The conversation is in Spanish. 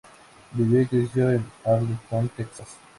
Vivió y creció en Arlington, Texas.